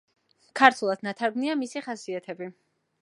ქართულად ნათარგმნია მისი „ხასიათები“.